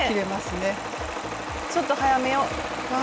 ちょっと速めよう。